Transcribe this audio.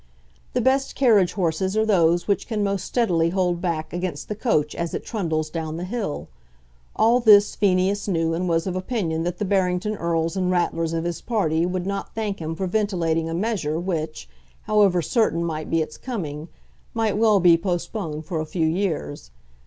The best carriage horses are those which can most steadily hold back against the coach as it trundles down the hill. All this Phineas knew, and was of opinion that the Barrington Erles and Ratlers of his party would not thank him for ventilating a measure which, however certain might be its coming, might well be postponed for a few years.